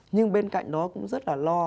nhưng bên cạnh đó cũng rất là lo